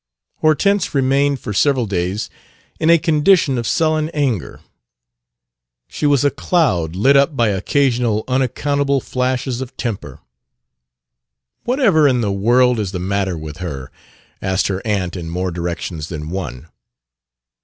Hortense remained for several days in a condition of sullen anger she was a cloud lit up by occasional unaccountable flashes of temper. "Whatever in the world is the matter with her?" asked her aunt in more directions than one.